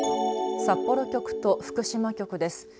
札幌局と福島局です。